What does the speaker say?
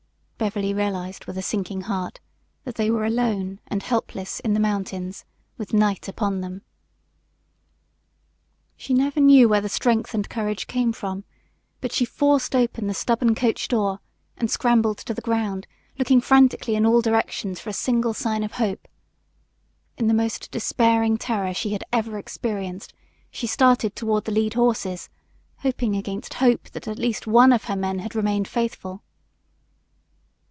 Beverly realized with a sinking heart that they were alone and helpless in the mountains with night upon them. She never knew where the strength and courage came from, but she forced open the stubborn coachdoor and scrambled to the ground, looking frantically in all directions for a single sign of hope. In the most despairing terror she had ever experienced, she started toward the lead horses, hoping against hope that at least one of her men had remained faithful.